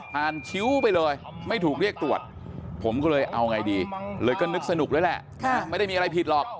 คิ้วไปเลยไม่ถูกเรียกตรวจผมก็เลยเอาไงดีเลยก็นึกสนุกด้วยแหละไม่ได้มีอะไรผิดหรอก